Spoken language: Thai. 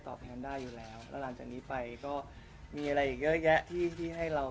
ต้องเตือนต้องเตือนว่า